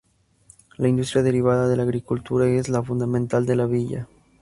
La industria derivada de la agricultura es la fundamental de la villa.